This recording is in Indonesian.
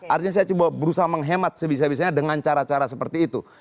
artinya saya coba berusaha menghemat sebisa bisanya dengan cara cara seperti itu